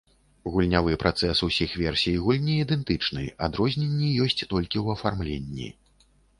Гульнявы працэс усіх версій гульні ідэнтычны, адрозненні ёсць толькі ў афармленні.